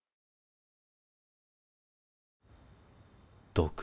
毒？